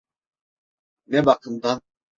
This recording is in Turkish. Ne bakımdan?